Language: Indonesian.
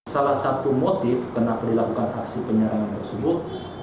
salah satu motif kenapa dilakukan aksi penyerangan tersebut